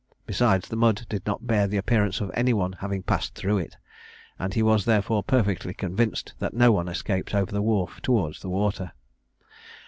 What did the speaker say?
Besides, the mud did not bear the appearance of any one having passed through it; and he was, therefore, perfectly convinced that no one escaped over the wharf towards the water.